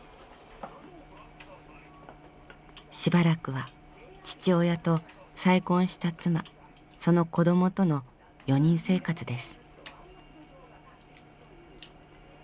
しばらくは父親と再婚した妻その子どもとの４人生活です。